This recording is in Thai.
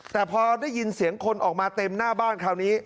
แต่พอได้ยินเสียงคนออกมาเต็มหน้าบ้านคราวนี้